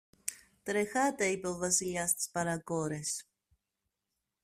Τρεχάτε, είπε ο Βασιλιάς στις παρακόρες